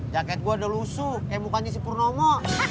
jaket gue udah lusuh kayak mukannya si purnomo